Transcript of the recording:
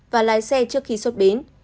và lái xe trước khi xuất bến